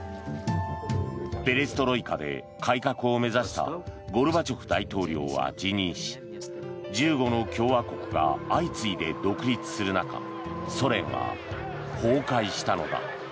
ペレストロイカで改革を目指したゴルバチョフ大統領は辞任し１５の共和国が相次いで独立する中ソ連は崩壊したのだ。